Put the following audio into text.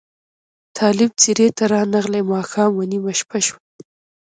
طالب ځیري ته رانغلې ماښام و نیمه شپه شوه